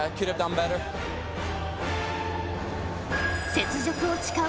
雪辱を誓う